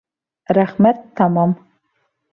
Рәхмәт, тамам